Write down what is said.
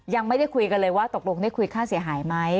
ยังไม่ได้คุยกันเลยว่าตกลงได้คุยค่าเสียหายไหม